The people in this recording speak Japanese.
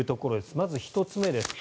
まず１つ目です。